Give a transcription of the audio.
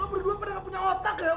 lo berdua pada gak punya otak ya